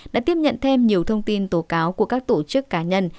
đã tiếp nhận thêm nhiều thông tin tố cáo của các tổ chức cá nhân